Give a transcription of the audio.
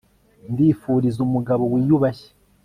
ndifuriza umugabo wiyubashye